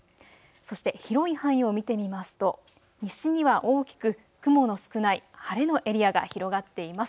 そして広い範囲を見てみますと西には大きく雲の少ない、晴れのエリアが広がっています。